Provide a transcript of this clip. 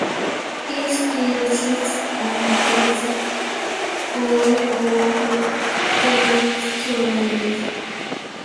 He still sits on its Board of Directors.